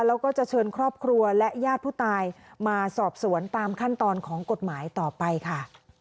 แล้วก็จะเชิญครอบครัวและญาติผู้ตายมาสอบสวนตามขั้นตอนของกฎหมายต่อไปค่ะ